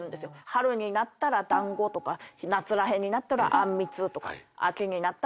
春になったら団子とか夏ら辺になったらあんみつとか秋になったらまた団子。